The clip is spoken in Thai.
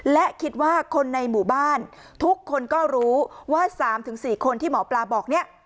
และคิดว่าคนในหมู่บ้านทุกคนก็รู้ว่า๓๔คนที่หมอปลาบอกเนี่ย